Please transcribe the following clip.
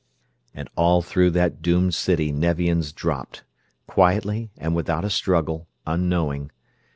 And all throughout that doomed city Nevians dropped; quietly and without a struggle, unknowing.